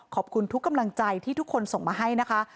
ขอบคุณทุกกำลังใจที่ทุกคนส่งมาให้นะคะ